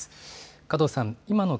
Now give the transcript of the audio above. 加藤さん